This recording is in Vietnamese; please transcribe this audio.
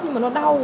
thì mà nó đau